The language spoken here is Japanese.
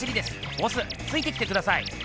ボスついてきてください！